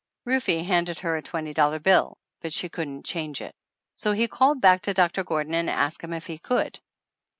Rufe handed her a twenty dollar bill, but she couldn't change it. So he called back to Doc tor Gordon to ask him if he could.